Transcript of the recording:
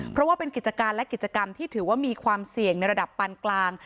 เพราะว่าเป็นกิจการและกิจกรรมที่ถือว่ามีความเสี่ยงในระดับปานกลาง